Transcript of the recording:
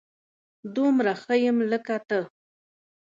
دومره ښه يم لکه ته